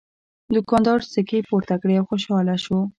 دوکاندار سکې پورته کړې او خوشحاله شو.